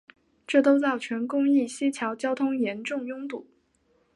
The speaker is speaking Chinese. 这都造成公益西桥交通严重拥堵。